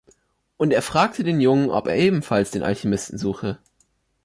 Und er fragte den Jungen, ob er ebenfalls den Alchemisten suche.